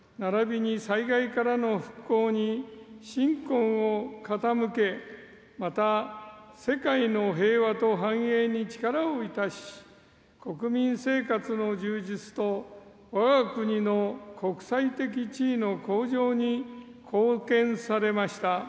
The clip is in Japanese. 君は終始経済の成長、および行財政と教育の改革、ならびに災害からの復興に心魂を傾け、また、世界の平和と繁栄に力をいたし、国民生活の充実とわが国の国際的地位の向上に貢献されました。